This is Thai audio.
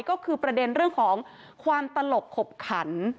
ก็คือประเด็นเรื่องของความตลกขบขัน